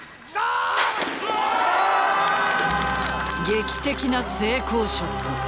劇的な成功ショット。